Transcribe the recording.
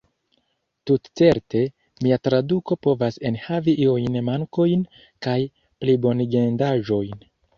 Tutcerte, mia traduko povas enhavi iujn mankojn kaj plibonigendaĵojn.